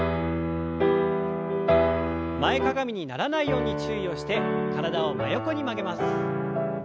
前かがみにならないように注意をして体を真横に曲げます。